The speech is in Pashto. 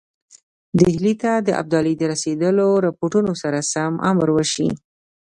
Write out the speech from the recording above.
ډهلي ته د ابدالي د رسېدلو رپوټونو سره سم امر وشي.